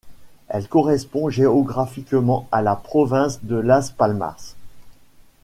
Elle correspond géographiquement à la province de Las Palmas.